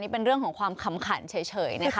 เป็นเรื่องของความขำขันเฉยนะคะ